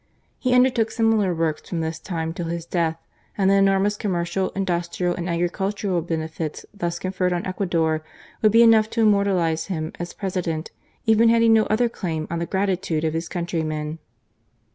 He undertook similar works from this time till his death, and the enormous commercial, industrial, and agricultural benefits thus conferred on Ecuador would be enough to immortalize him as President, even had he no other claim on the gratitude of his countrymen.